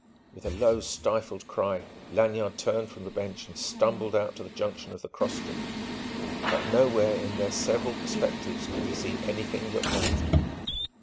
With a low, stifled cry, Lanyard turned from the bench and stumbled out to the junction of the cross street. But nowhere in their several perspectives could he see anything that moved.